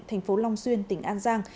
thành phố long xuyên tỉnh an giang